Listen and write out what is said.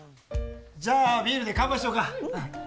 じゃあビールで乾杯しようか。